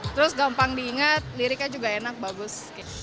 terus gampang diingat liriknya juga enak bagus